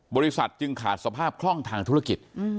บริษัทจึงขาดสภาพคล่องทางธุรกิจ